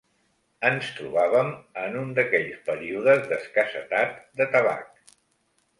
Ens trobàvem en un d'aquells períodes d'escassetat de tabac